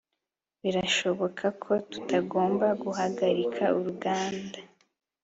birashoboka ko tutagomba guhagarika uruganda